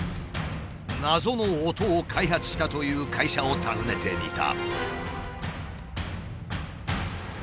謎の音を開発したという会社を訪ねてみた。